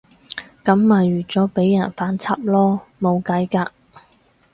噉咪預咗畀人反插囉，冇計㗎